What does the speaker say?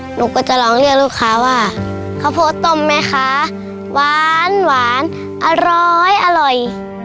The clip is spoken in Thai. หนูก็จะลองเรียกลูกค้าว่าข้าวโพดต้มไหมคะหวานหวานอร้อยอร่อย